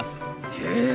へえ！